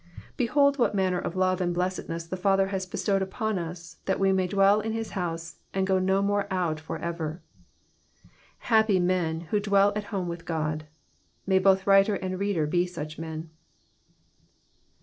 Behold what manner of love and blessedness the Father has bestowed up^^m us that we may dwell in his house, and go no more out for ever. Happy men who dwell at home with God. May both writer and reader be such men.